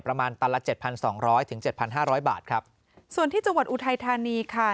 ประมาณตลาด๗๒๐๐ถึง๗๕๐๐บาทครับส่วนที่จังหวัดอุทัยธานีค่ะ